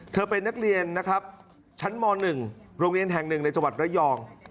เธอเป็นนักเรียนนะครับชั้นม๑โรงเรียนแห่ง๑ในจระยอง